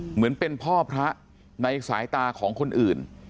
เหมือนเป็นพ่อพระในสายตาของคนอื่น